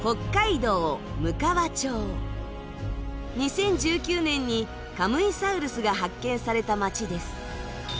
２０１９年にカムイサウルスが発見された町です。